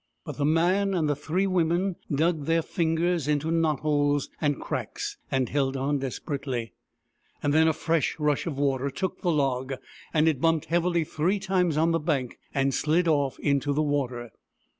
But the man and the three women dug their fingers into knot holes and cracks, and held on desperately. Then a fresh rush of water took the log, and it bumped heavily three times on the bank and slid off into the water.